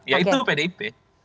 ya itu pdip